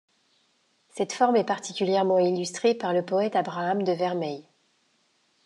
Cette forme est particulièrement illustrée par le poète Abraham de Vermeil.